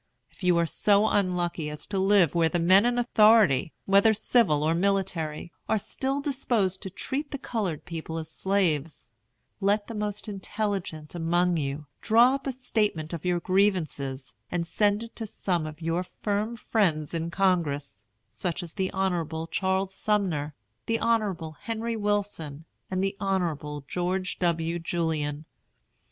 If you are so unlucky as to live where the men in authority, whether civil or military, are still disposed to treat the colored people as slaves, let the most intelligent among you draw up a statement of your grievances and send it to some of your firm friends in Congress, such as the Hon. Charles Sumner, the Hon. Henry Wilson, and the Hon. George W. Julian.